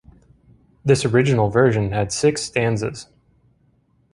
This original version had six stanzas.